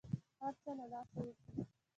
هر څه له لاسه ووزي.